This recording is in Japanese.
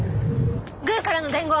グーからの伝言！